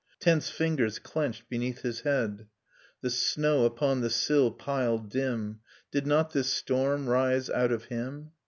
Tense fingers clenched beneath his head ... The snow upon the sill piled dim ... Did not this storm rise out of him?